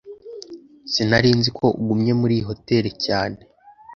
Sinari nzi ko ugumye muri iyi hoteri cyane